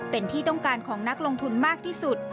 เป็นที่ต้องการของนักลงทุนมากที่สุด